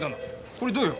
これどうよ？